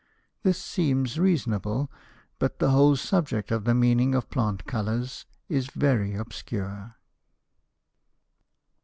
This seems reasonable, but the whole subject of the meaning of plant colors is very obscure.